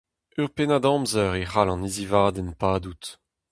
Ur pennad-amzer e c'hall an hizivadenn padout.